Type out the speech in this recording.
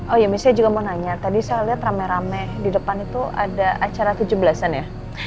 oh iya misalnya saya juga mau nanya tadi saya lihat rame rame di depan itu ada acara tujuh belas an ya